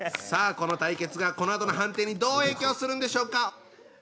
この対決がこのあとの判定にどう影響するんでしょうか。